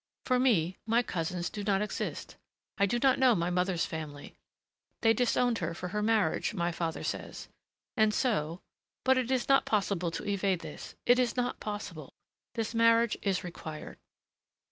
For me, my cousins do not exist. I do not know my mother's family. They disowned her for her marriage, my father says. And so but it is not possible to evade this.... It is not possible. This marriage is required."